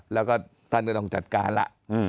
แล้วก็ท่านก็ต้องจัดการล่ะ